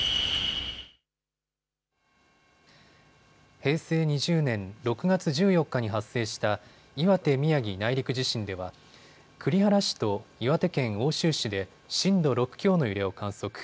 平成２０年６月１４日に発生した岩手・宮城内陸地震では栗原市と岩手県奥州市で震度６強の揺れを観測。